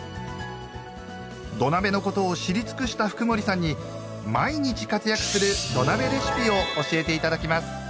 土鍋のことを知り尽くした福森さんに毎日活躍する土鍋レシピを教えていただきます！